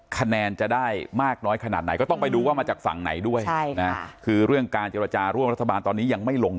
คะแนนจะได้มากน้อยขนาดไหนก็ต้องไปดูว่ามาจากฝั่งไหนด้วย